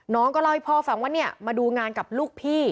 น้องก็เล่าให้พ่อฟังว่าเนี่ยมาดูงานกับลูกพี่